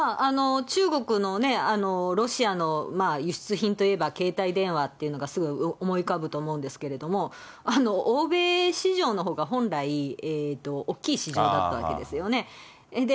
中国のね、ロシアの輸出品といえば携帯電話っていうのがすぐ思い浮かぶと思うんですけど、欧米市場のほうが本来、大きい市場だったわけですよね。